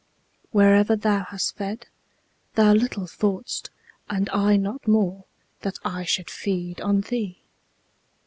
Wherever thou hast fed, thou little thought'st, And I not more, that I should feed on thee.